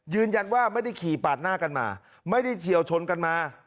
ยืนยันว่าไม่ได้ขี่ปาดหน้ากันมาไม่ได้เฉียวชนกันมา